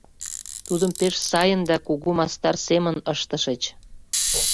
Тудым пеш сайын да кугу мастар семын ыштышыч.